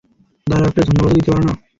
দাঁড়াও, একটা ধন্যবাদও দিতে পারো না?